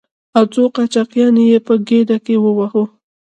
او څو چاقيانې يې په ګېډه کې ووهو.